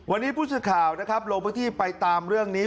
วันนี้ผู้สื่อข่าวนะครับลงพื้นที่ไปตามเรื่องนี้